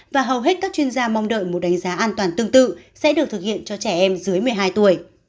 và hầu hết các chuyên gia mong đợi một đánh giá an toàn tương tự sẽ được thực hiện cho trẻ em dưới một mươi hai tuổi